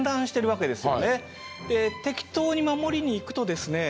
で適当に守りに行くとですね